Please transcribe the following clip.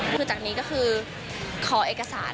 คือจากนี้ก็คือขอเอกสาร